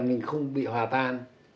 mình không bị hòa tan